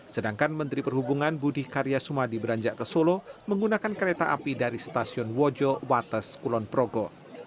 sedangkan menteri perhubungan budi karya sumadi beranjak ke solo menggunakan kereta api dari stasiun wojo wates kulon progo